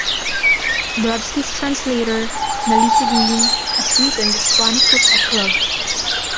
Brodsky's translator, Melissa Green, has written "The Squanicook Eclogues".